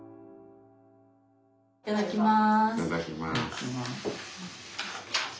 いただきます。